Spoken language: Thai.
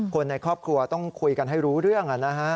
คนในครอบครัวต้องคุยกันให้รู้เรื่อง